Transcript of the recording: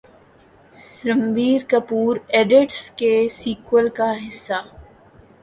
Ranbir Kapoor Idiots کے sequel کا حصہ